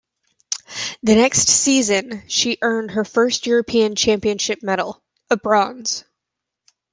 The next season, she earned her first European Championships medal, a bronze.